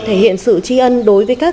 thể hiện sự tri ân đối với các